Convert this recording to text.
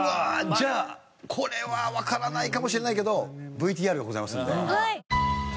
じゃあこれはわからないかもしれないけどＶＴＲがございますので。